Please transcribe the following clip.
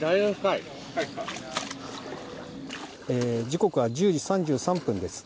時刻は１０時３３分です。